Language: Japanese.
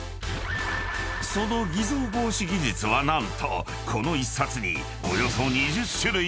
［その偽造防止技術は何とこの１冊に］